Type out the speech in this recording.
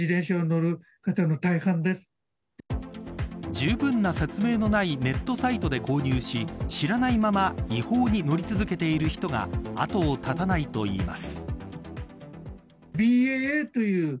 じゅうぶんな説明のないネットサイトで購入し知らないまま違法に乗り続けている人が後を絶たないといいます。